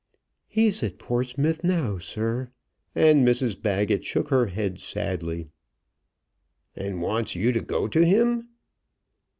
"He's at Portsmouth now, sir." And Mrs Baggett shook her head sadly. "And wants you to go to him?"